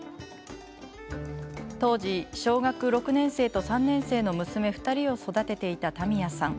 当時、小学６年生と３年生の娘２人を育てていた田宮さん。